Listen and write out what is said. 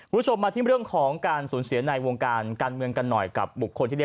ผู้โฆ่งมาถึงเป็นเรื่องของการสูญเสียในวงการกันเมืองกันหน่อยกับบุคคลที่